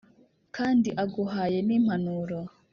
kandi aguhaye n’impanuro.